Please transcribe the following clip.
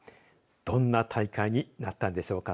どんな大会になったんでしょうか。